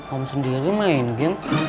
om sendiri main game